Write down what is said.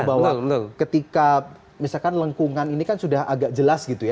bahwa ketika misalkan lengkungan ini kan sudah agak jelas gitu ya